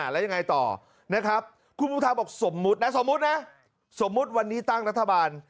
แล้วยังไงต่อครูพุทธาบอกสมมุติวันนี้ตั้งรัฐบาล